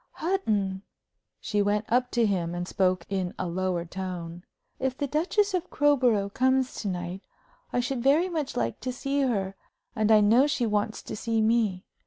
"Hutton!" She went up to him and spoke in a lower tone. "If the Duchess of Crowborough comes to night, I should very much like to see her, and I know she wants to see me.